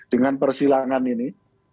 dengan persilangan ini